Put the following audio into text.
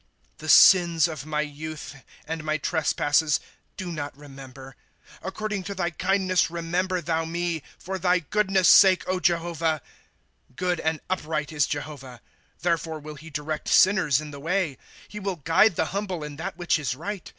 "^ The sins of my youth, and my trespasses, do not rememher ; According to thy kindness remember thou me, For thy goodness' sake, Jehovah. ^ Good and upright is Jehovah ; Therefore will he direct sinners in the way. ^ He will guide the humble in that which is right.